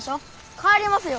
帰りますよ。